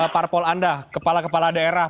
parpol anda kepala kepala daerah